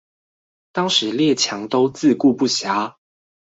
當時列強都自顧不暇